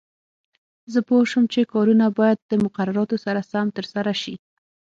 زه پوه شوم چې کارونه باید د مقرراتو سره سم ترسره شي.